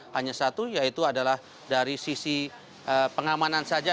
hanya satu yaitu adalah dari sisi pengamanan saja